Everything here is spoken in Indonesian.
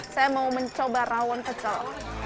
saya mau mencoba rawon pecel